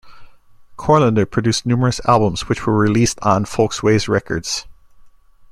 Courlander produced numerous albums which were released on Folkways Records.